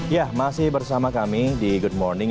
ya masih bersama kami di good morning